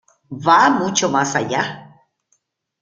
Va mucho más allá.